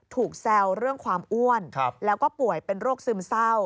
แซวเรื่องความอ้วนแล้วก็ป่วยเป็นโรคซึมเศร้า